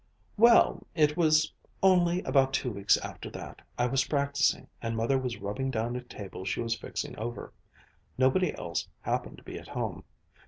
"Well, it was only about two weeks after that, I was practising and Mother was rubbing down a table she was fixing over. Nobody else happened to be at home.